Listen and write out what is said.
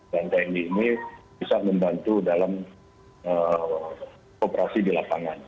dan tni ini bisa membantu dalam operasi di lapangan